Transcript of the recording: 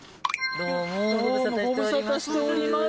どうもご無沙汰しております。